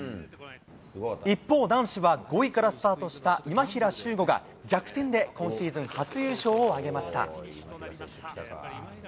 一方、男子は５位からスタートした今平周吾が逆転で今シーズン初優勝を挙げました。